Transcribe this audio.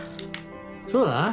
そうだな。